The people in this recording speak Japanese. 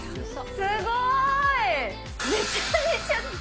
すごーい！